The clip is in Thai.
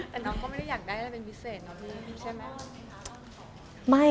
แต่น้องเขาไม่ได้อยากได้อะไรเป็นวิเศษนะครับน้องพี่ใช่ไหม